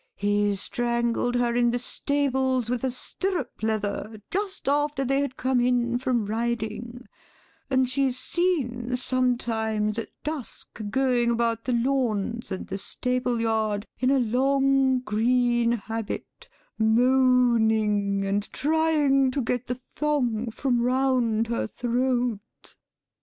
He strangled her in the stables with a stirrup leather, just after they had come in from riding, and she is seen sometimes at dusk going about the lawns and the stable yard, in a long green habit, moaning and trying to get the thong from round her throat.